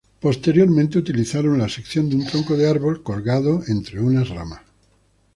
Posteriormente utilizaron la sección de un tronco de árbol colgado entre unas ramas.